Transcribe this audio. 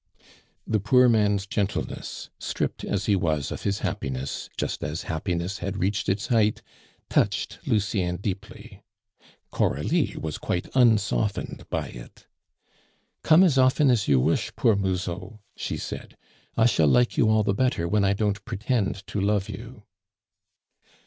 The poor man's gentleness, stripped as he was of his happiness just as happiness had reached its height, touched Lucien deeply. Coralie was quite unsoftened by it. "Come as often as you wish, poor Musot," she said; "I shall like you all the better when I don't pretend to love you."